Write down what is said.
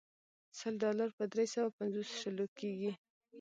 سل ډالر په درې سوه پنځوس شلو کېږي.